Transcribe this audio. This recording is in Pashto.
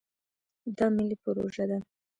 دا ملي پروژه ده.